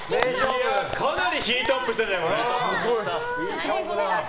かなりヒートアップしたんじゃない？